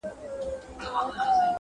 په ښرا لکه کونډیاني هر ماخستن یو -